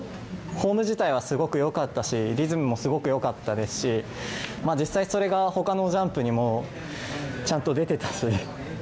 フォーム自体はすごくよかったしリズムもすぐよかったですし実際、それがほかのジャンプにもちゃんと出てたし。